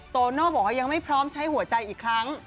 โตโน่บอกว่ายังไม่พร้อมใช้หัวใจอีกครั้ง